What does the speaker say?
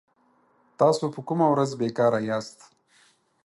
تاسو په کومه ورځ بي کاره ياست